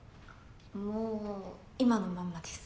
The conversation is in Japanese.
もう今のまんまです。